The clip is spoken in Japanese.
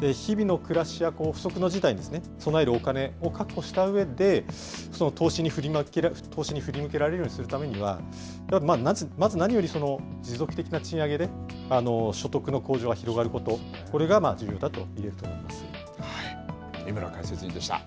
日々の暮らしや不測の事態に備えるお金を確保したうえで、投資に振り向けられるようにするためには、まず何より持続的な賃上げで所得の向上が広がること、井村解説委員でした。